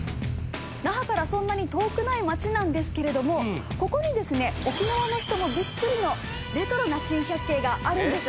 那覇からそんなに遠くない町なんですけれどもここにですね沖縄の人もビックリのレトロな珍百景があるんです。